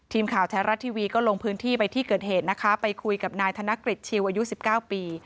ทีมข่าวไทยรัฐทีวีก็ลงพื้นที่ไปที่เกิดเหตุนะคะไปคุยกับนายธนกฤษชิวอายุ๑๙ปี